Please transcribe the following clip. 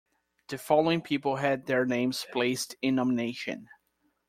The following people had their names placed in nomination.